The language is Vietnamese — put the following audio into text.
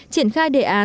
triển khai đề án